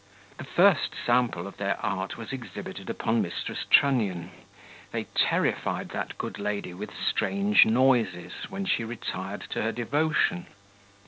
The first sample of their art was exhibited upon Mrs. Trunnion. They terrified that good lady with strange noises when she retired to her devotion.